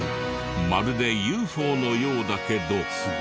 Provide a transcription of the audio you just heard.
まるでＵＦＯのようだけど。